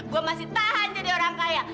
gue masih tahan jadi orang kaya